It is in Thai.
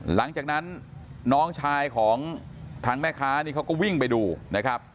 หลังจากนั้นน้องชายของทางแม่ค้านี่เขาก็วิ่งไปดูนะครับ